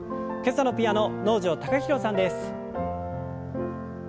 今朝のピアノ能條貴大さんです。